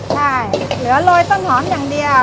ใช่เหลือโรยต้นหอมอย่างเดียว